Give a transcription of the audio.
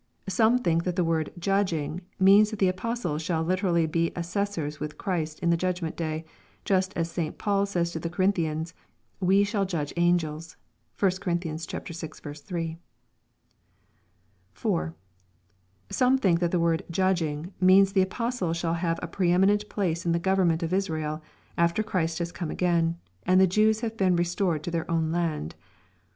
Some think that the word "judging," means that the apoB ties shall Uterally be assessors with Christ in the judgment day, just as St. Paul says to the Corinthians, " we shall judge angels." (1 Cor. vi. 3.) 4. Some think that the word "judging," means that the apostles shall have a pre eminent place in the government of Israel, after Christ has come again and the Jews have been restored to their own land.